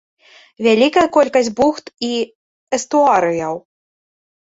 Вялікая колькасць бухт і эстуарыяў.